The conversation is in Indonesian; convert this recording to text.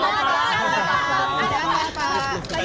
tadi bawah pak